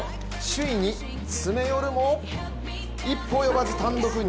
首位に詰め寄るも、一歩及ばず単独２位。